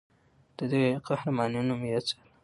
د دې قهرمانې نوم یاد ساته.